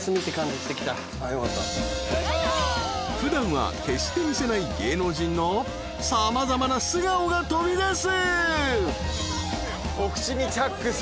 ［普段は決して見せない芸能人の様々な素顔が飛び出す！］